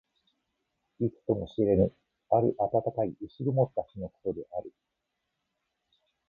いつとも知れぬ、ある暖かい薄曇った日のことである。